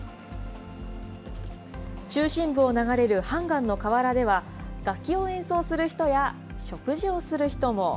中心部を流れるハンガンの河原では、楽器を演奏する人や食事をする人も。